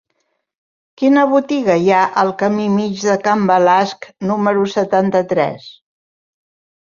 Quina botiga hi ha al camí Mig de Can Balasc número setanta-tres?